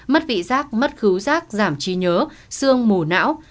mất vị giác mất khứu giác giảm trí nhớ xương mù não